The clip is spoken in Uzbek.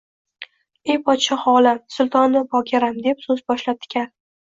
Ey, podshohi olam, sultoni bokaram, deb so‘z boshlabdi kal